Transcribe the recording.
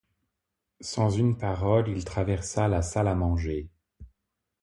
Sans une parole, il traversa la salle à manger.